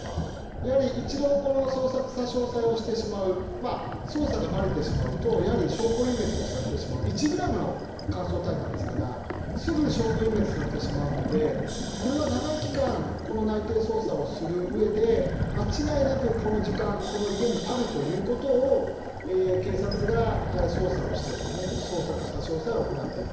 やはり一度、捜索、差し押さえをしてしまう、捜査がばれてしまうと、やはり証拠隠滅をされてしまう、１グラムの乾燥大麻ですから、すぐ証拠隠滅されてしまうので、これは長い期間、この内偵捜査をするうえで、間違いなくこの時間、この家にあるということを警察が捜査をしてですね、捜索、差し押さえを行っている。